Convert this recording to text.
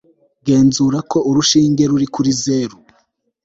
genzura ko urushinge ruri kuri zero